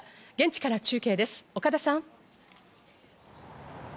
現地から中継です、岡田さん。